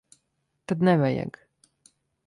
Tad nevajag.